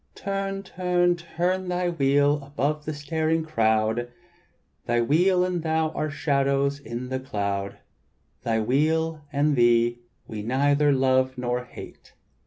"Turn, turn thy wheel above the staring crowd; Thy wheel and thou are shadows in the cloud; Thy wheel and thee we neither love nor hate."